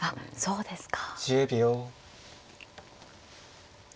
そうですね。